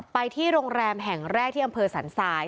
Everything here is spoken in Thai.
ไปที่โรงแรมแห่งแรกที่อันเผยสันซัย